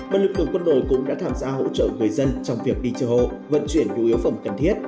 và lực lượng quân đội cũng đã tham gia hỗ trợ người dân trong việc đi chơi hồ vận chuyển nhu yếu phẩm cần thiết